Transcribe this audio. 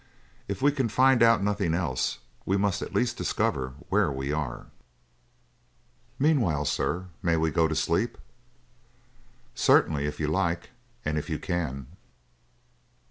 If we can find out nothing else, we must at least discover where we are." "Meanwhile, sir, may we go to sleep?" "Certainly, if you like, and if you can."